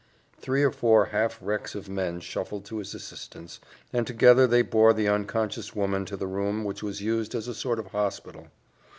Three or four half wrecks of men shuffled to his assistance, and together they bore the unconscious woman to the room which was used as a sort of hospital.